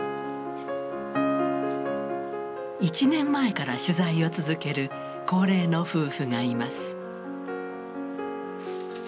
１年前から取材を続ける高齢の夫婦がいます。